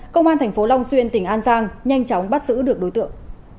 công an tp long xuyên tỉnh an giang nhanh chóng bắt giữ được đối tượng